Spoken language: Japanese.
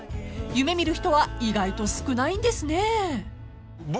［夢見る人は意外と少ないんですね］